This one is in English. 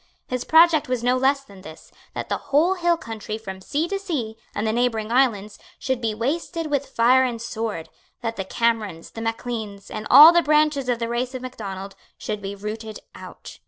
His project was no less than this, that the whole hill country from sea to sea, and the neighbouring islands, should be wasted with fire and sword, that the Camerons, the Macleans, and all the branches of the race of Macdonald, should be rooted out.